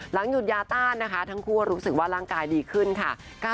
หยุดยาต้านนะคะทั้งคู่รู้สึกว่าร่างกายดีขึ้นค่ะ